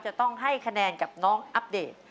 จะต้องให้คะแนนกับน้องอัปเดต